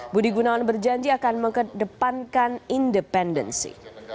budi gunawan berjanji akan mengedepankan independensi